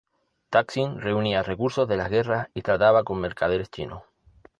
Taksin reunía recursos de las guerras y trataba con mercaderes chinos.